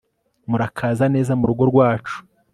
murakaza neza murugo rwacu